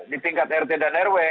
di tingkat rt dan rw